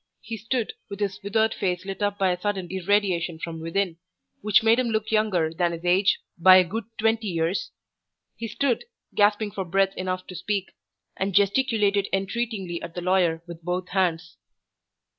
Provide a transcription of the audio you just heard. He stood, with his withered face lit up by a sudden irradiation from within, which made him look younger than his age by a good twenty years he stood, gasping for breath enough to speak, and gesticulated entreatingly at the lawyer with both hands.